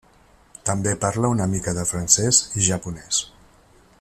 També parla una mica de francès i japonès.